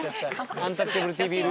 「アンタッチャブるＴＶ」ルール。